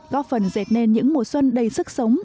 góp phần dệt nên những mùa xuân đầy sức sống